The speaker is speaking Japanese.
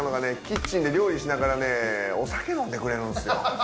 キッチンで料理しながらねお酒飲んでくれるんすよ。